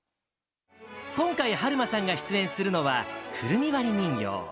今回、はるまさんが出演するのは、くるみ割り人形。